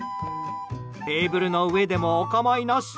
テーブルの上でもお構いなし。